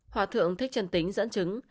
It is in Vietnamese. hòa thượng thích trân tính dẫn chứng